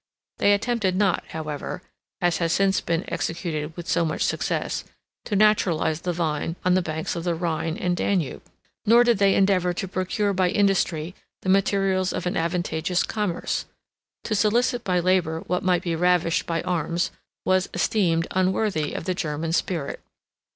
They attempted not, however, (as has since been executed with so much success,) to naturalize the vine on the banks of the Rhine and Danube; nor did they endeavor to procure by industry the materials of an advantageous commerce. To solicit by labor what might be ravished by arms, was esteemed unworthy of the German spirit.